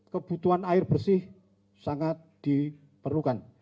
kebutuhan air bersih sangat diperlukan